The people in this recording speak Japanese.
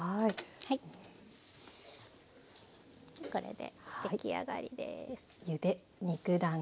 これで出来上がりです。